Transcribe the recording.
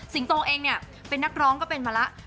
โตเองเนี่ยเป็นนักร้องก็เป็นมาแล้ว